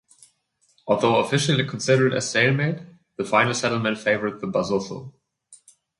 Although officially considered a stalemate, the final settlement favoured the Basotho.